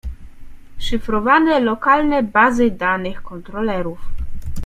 Szyfrowane lokalne bazy danych kontrolerów.